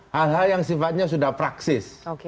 hal hal yang sifatnya sudah praksis